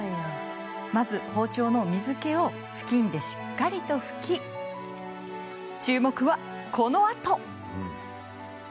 まず、包丁の水けを布巾でしっかりと拭き注目は、このあと。